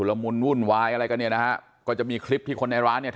ลุกเดินไป